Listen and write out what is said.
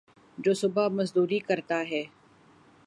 جو صبح مزدوری کرتا ہے